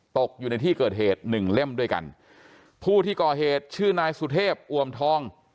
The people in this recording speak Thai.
ตกอยู่ในที่เกิดเหตุหนึ่งเล่มด้วยกันผู้ที่ก่อเหตุชื่อนายสุเทพอวมทอง